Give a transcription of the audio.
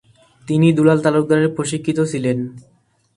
তিনি দুলাল তালুকদারের প্রশিক্ষিত ছিলেন।